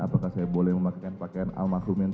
apakah saya boleh memakai pakaian al masrum yang